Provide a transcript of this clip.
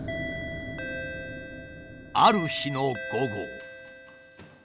・ある日の午後。